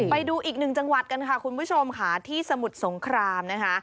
ไปดูอีกหนึ่งจังหวัดกันค่ะคุณผู้ชมค่ะที่สมุทรสงครามนะคะ